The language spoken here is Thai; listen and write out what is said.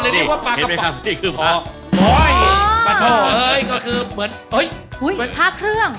ท้าเครื่อง